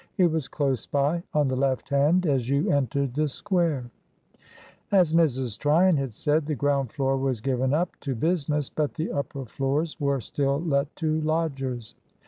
It was close by, on the left hand as you entered the square. As Mrs. Tryon had said, the ground floor was given up to business, but the upper floors were still let to lodgers.